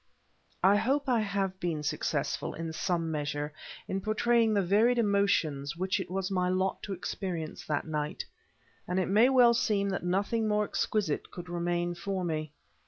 I hope I have been successful, in some measure, in portraying the varied emotions which it was my lot to experience that night, and it may well seem that nothing more exquisite could remain for me.